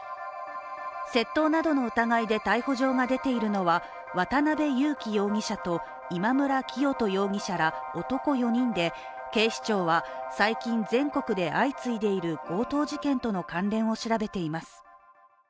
窃盗などの疑いで逮捕状が出ているのは渡辺優樹容疑者と今村磨人容疑者ら男４人で警視庁は最近、全国で相次いでいる強盗事件との関連を調べています。